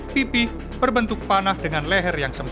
pipih berbentuk panah dengan leher yang sempit